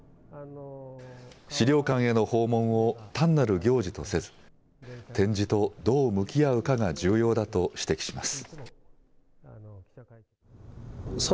資料館への訪問を単なる行事とせず、展示とどう向き合うかが重要だと指摘します。